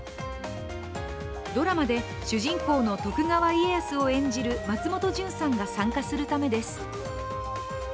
ドラマで主人公の徳川家康を演じる松本潤さんが参加するためです。